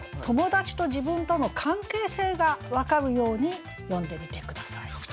友達と自分との関係性が分かるように詠んでみて下さい。